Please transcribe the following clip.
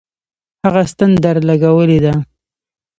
هغه ستن درلگولې ده.